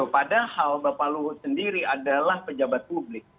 padahal bapak luhut sendiri adalah pejabat publik